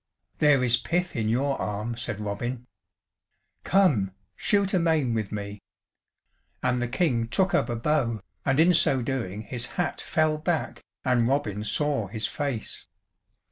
"There is pith in your arm," said Robin. "Come, shoot a main with me." And the King took up a bow, and in so doing his hat fell back and Robin saw his face.